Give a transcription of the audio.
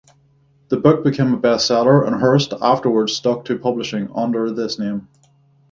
The book became a bestseller, and Hurst afterwards stuck to publishing under this name.